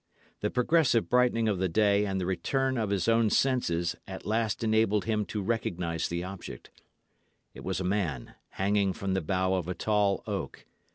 The progressive brightening of the day and the return of his own senses at last enabled him to recognise the object. It was a man hanging from the bough of a tall oak.